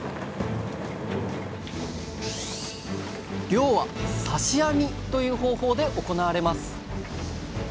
漁は「刺し網」という方法で行われます。